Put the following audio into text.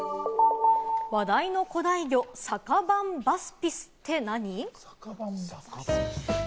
話題の古代魚・サカバンバスピスって何？